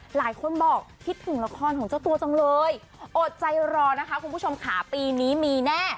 หลายคนบอกคิดถึงละครของเจ้าตัวจังเลยอดใจรอนะคะคุณผู้ชมค่ะปีนี้มีแน่